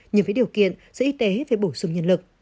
nhưng với điều kiện sở y tế phải bổ sung nhân lực